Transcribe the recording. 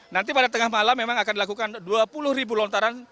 nanti pada tengah malam memang akan dilakukan dua puluh ribu lontaran